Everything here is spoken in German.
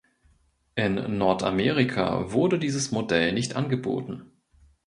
In Nordamerika wurde dieses Modell nicht angeboten.